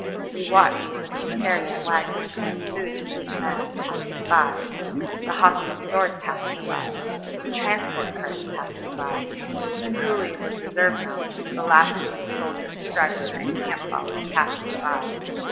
We watched as the commissariat wagons carrying food to these men passed us by, the hospital stores passed us by, the transport carts passed us by, the coolies with reserve mounts, the last wounded soldier, straggler, and camp follower passed us by.